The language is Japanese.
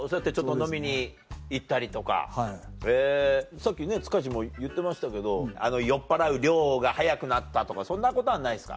さっきね塚地も言ってましたけど酔っぱらう量が早くなったとかそんなことはないですか？